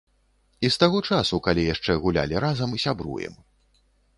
І з таго часу, калі яшчэ гулялі разам, сябруем.